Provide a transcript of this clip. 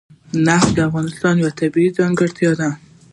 نفت د افغانستان یوه طبیعي ځانګړتیا ده.